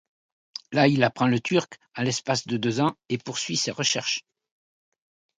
Là, il apprend le turc en l'espace de deux ans et poursuit ses recherches.